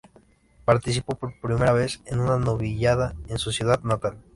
Participó por primera vez en una novillada en su ciudad natal.